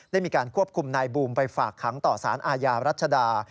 ได้มีการควบคุมนายบูมไปฝากขังต่อสารอาญารัชดา